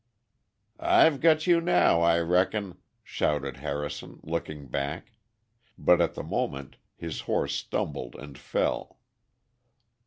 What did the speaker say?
"I've got you now, I reckon," shouted Harrison looking back, but at the moment his horse stumbled and fell.